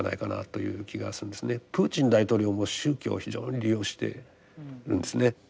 プーチン大統領も宗教を非常に利用してるんですね。